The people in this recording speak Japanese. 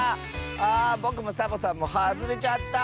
あぼくもサボさんもはずれちゃった。